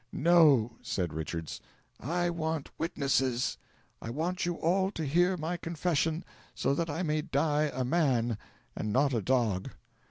"No!" said Richards; "I want witnesses. I want you all to hear my confession, so that I may die a man, and not a dog.